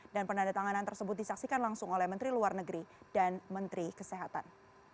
dan penandatanganan tersebut disaksikan langsung oleh menteri luar negeri dan menteri kesehatan